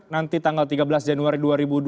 nanti tanggal tiga belas januari dua ribu dua puluh